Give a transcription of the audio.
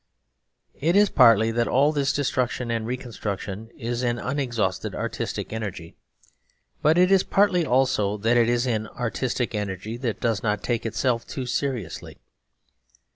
It is partly that all this destruction and reconstruction is an unexhausted artistic energy; but it is partly also that it is an artistic energy that does not take itself too seriously.